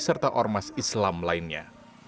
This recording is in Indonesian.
serta ormas islam lainnya